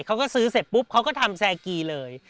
เขาก็ซื้อเสร็จปุ๊บเขาก็ทำแซกีเลย